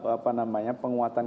apa namanya penguatan